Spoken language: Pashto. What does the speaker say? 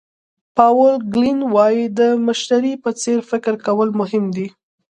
پاول ګیلن وایي د مشتري په څېر فکر کول مهم دي.